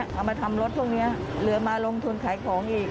เอามาทำรถพวกนี้เหลือมาลงทุนขายของอีก